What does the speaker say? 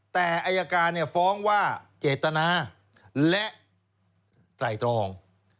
แต่อายการฟ้องว่าเจตนาและไตรตรอง